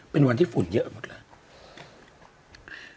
เป็นวันที่ฝุ่นเยอะมากเลย